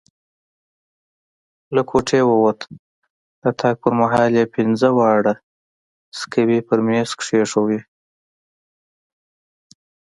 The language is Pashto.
له کوټې ووت، د تګ پر مهال یې پینځه واړه سکوې پر میز کښېښودې.